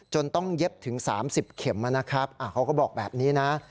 ต้องเย็บถึง๓๐เข็มนะครับเขาก็บอกแบบนี้นะ